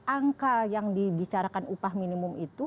angka yang dibicarakan upah minimum itu